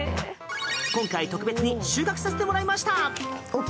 今回、特別に収穫させてもらいました！